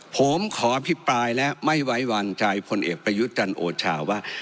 ผมขออภิปรายและไม่ไว้วางใจพลเอกประยุทธ์จันทร์โอชาว่า